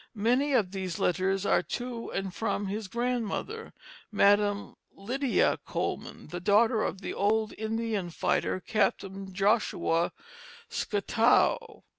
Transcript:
Many of these letters are to and from his grandmother, Madam Lydia Coleman, the daughter of the old Indian fighter, Captain Joshua Scottow.